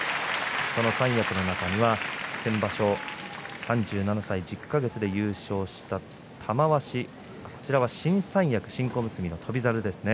その三役の中には、先場所３７歳１０か月で優勝した玉鷲こちらは新小結の翔猿ですね。